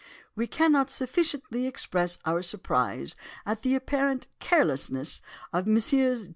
We cannot sufficiently express our surprise at the apparent carelessness of Messrs.